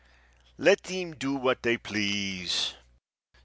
Let them do what they please.